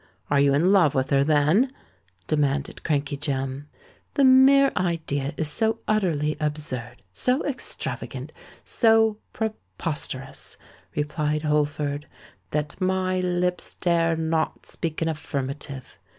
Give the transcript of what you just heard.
Are you in love with her, then?" demanded Crankey Jem. "The mere idea is so utterly absurd—so extravagant—so preposterous," replied Holford, "that my lips dare not speak an affirmative.